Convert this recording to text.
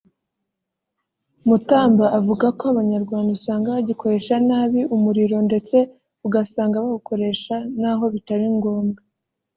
Mutamba avuga ko Abanyarwanda usanga bagikoresha nabi umuriro ndetse ugasanga bawukoresha naho bitari ngombwa